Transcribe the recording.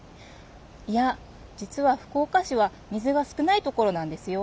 いや実は福岡市は水が少ないところなんですよ。